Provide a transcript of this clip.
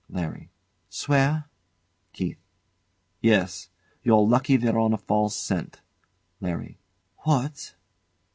LARRY. Swear? KEITH. Yes. You're lucky they're on a false scent. LARRY. What?